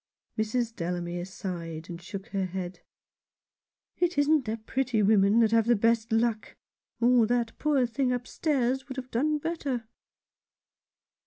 Mrs. Delamere sighed, and shook her head, ''It isn't the pretty women that have the best luck, or that poor thing upstairs would have done better."